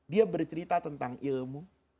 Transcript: dia bercerita tentang ilmu